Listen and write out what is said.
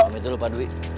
pamit dulu pak dwi